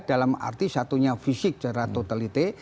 dalam arti satunya fisik secara totalite